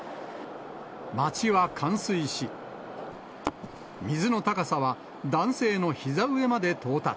町は冠水し、水の高さは男性のひざ上まで到達。